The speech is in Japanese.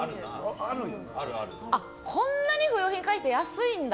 こんなに不用品回収安いんだ。